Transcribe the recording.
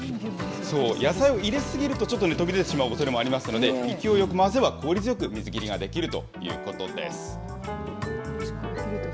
野菜を入れ過ぎると途切れてしまうこともありますので、勢いよく回せば、効率よく水切りができるというわけです。